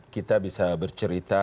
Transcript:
kita bisa bercerita